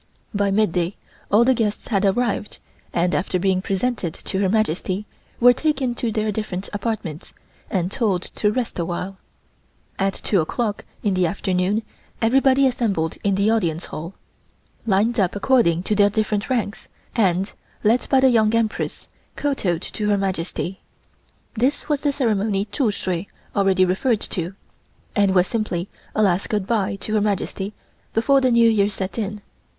By midday all the guests had arrived, and, after being presented to Her Majesty, were taken to their different apartments and told to rest a while. At two o'clock in the afternoon everybody assembled in the Audience Hall, lined up according to their different ranks and, led by the Young Empress, kowtowed to Her Majesty. This was the ceremony Tzu Sui already referred to, and was simply a last goodbye to Her Majesty before the New Year set in.